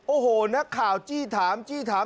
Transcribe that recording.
โอ้โหนักข่าวจี้ถามจี้ถาม